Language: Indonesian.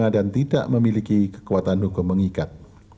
dan tidak memiliki kekuatan hukum mengikat